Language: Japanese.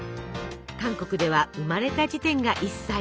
韓国では生まれた時点が１歳。